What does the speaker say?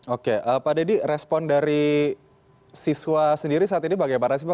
oke pak dedy respon dari siswa sendiri saat ini bagaimana sih pak